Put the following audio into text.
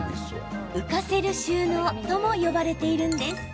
浮かせる収納とも呼ばれているんです。